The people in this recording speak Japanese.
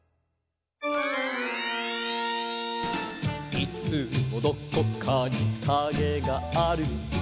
「いつもどこかにカゲがある」